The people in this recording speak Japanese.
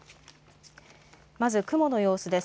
まず雲の様子です。